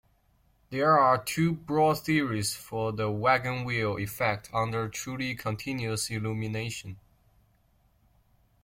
There are two broad theories for the wagon-wheel effect under truly continuous illumination.